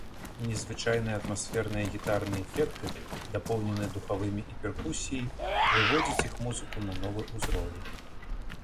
Незвычайныя атмасферныя гітарныя эфекты, дапоўненыя духавымі і перкусіяй выводзяць іх музыку на новы ўзровень.